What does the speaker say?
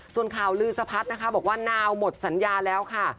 ส่วนข่าวลือสะพัดนะคะบอกว่านาวหมดสัญญาแล้วค่ะ